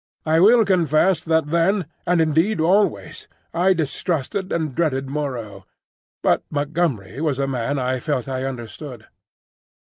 I will confess that then, and indeed always, I distrusted and dreaded Moreau; but Montgomery was a man I felt I understood.